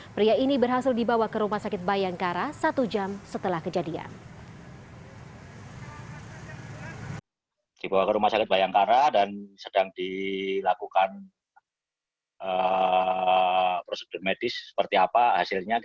pria ini berhasil dibawa ke rumah sakit bayangkara satu jam setelah kejadian